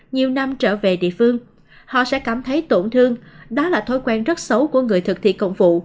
nhiều năm trở về địa phương họ sẽ cảm thấy tổn thương đó là thói quen rất xấu của người thực thi công vụ